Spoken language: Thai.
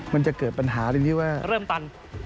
มันจะเกิดปัญหาตรงที่ว่าเริ่มตัน